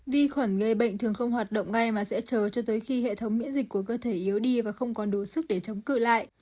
vi khuẩn người bệnh thường không hoạt động ngay mà sẽ chờ cho tới khi hệ thống miễn dịch của cơ thể yếu đi và không còn đủ sức để chống cự lại